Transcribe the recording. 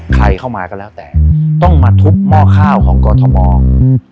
ใครเข้ามาก็แล้วแต่ต้องมาทุบหม้อข้าวของกรทมอืม